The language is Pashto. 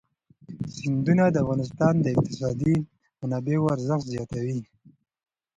سیندونه د افغانستان د اقتصادي منابعو ارزښت زیاتوي.